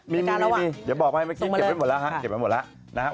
มีเดี๋ยวบอกให้เมื่อกี้เก็บไว้หมดแล้ว